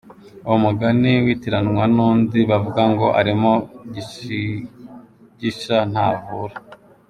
Uwo mugani witiranwa n’undi bavuga ngo «Arimo gishigisha ntavura».